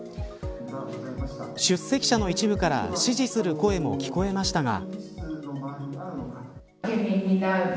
出席者の一部から支持する声も聞かれましたが。